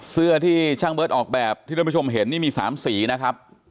เสื้อที่ช่างเบิร์ตออกแบบที่ทุกคนเห็นมี๓สีนะครับ